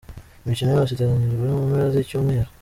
Imikino yose iteganyijwe mu mpera z’icyumweru:.